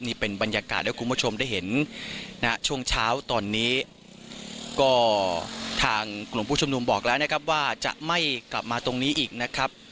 นี่เป็นบรรยากาศให้คุณผู้ชมได้เห็นณช่วงเช้าตอนนี้ก็ทางกลุ่มผู้ชุมนุมบอกแล้วนะครับว่าจะไม่กลับมาตรงนี้อีกนะครับ